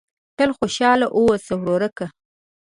تل خوشاله اوسه ورورکه !